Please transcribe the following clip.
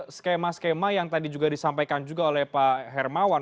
skema skema yang tadi juga disampaikan juga oleh pak hermawan